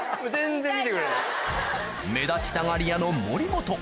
目立ちたがり屋の森本